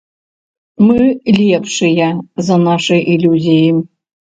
Мы лепшыя за нашы ілюзіі!